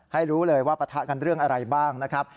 ให้รู้เลยว่าปะทะกันเรื่องอะไรบ้างนะครับ